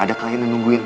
ada klien menungguin